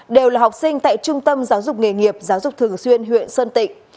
đều là học sinh tại trung tâm giáo dục nghề nghiệp giáo dục thường xuyên huyện sơn tịnh